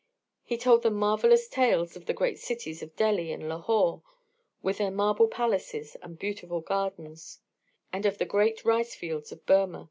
He told them marvellous tales of the great cities of Delhi and Lahore, with their marble palaces and beautiful gardens; and of the great rice fields of Burma.